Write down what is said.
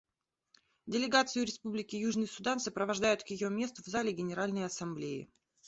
Делегацию Республики Южный Судан сопровождают к ее месту в зале Генеральной Ассамблеи.